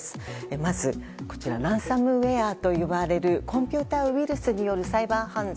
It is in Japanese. まず、ランサムウェアと呼ばれるコンピューターウイルスによるサイバー犯罪。